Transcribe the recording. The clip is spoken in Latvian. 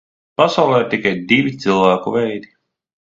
Pasaulē ir tikai divi cilvēku veidi.